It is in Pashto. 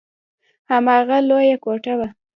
هماغه لويه کوټه وه.